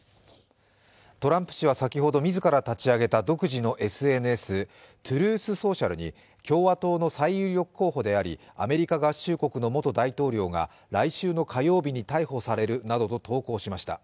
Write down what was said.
トランプ氏は先ほど、自ら立ち上げた独自のＳＮＳ、ＴｒｕｔｈＳｏｃｉａｌに共和党の最有力候補でありアメリカ合衆国の元大統領が来週の火曜日に逮捕されるなどと投稿しました。